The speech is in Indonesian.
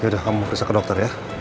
yaudah kamu bisa ke dokter ya